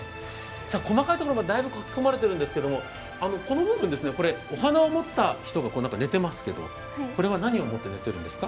細かいところまでだいぶ描き込まれているんですけど、この部分、お花を持った人が寝ていますけど、これは何を持って寝てるんですか？